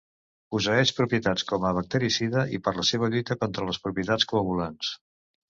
Posseeix propietats com a bactericida, i per la seva lluita contra les propietats coagulants.